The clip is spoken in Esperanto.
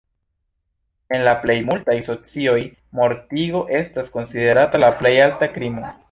En la plejmultaj socioj mortigo estas konsiderata la plej alta krimo.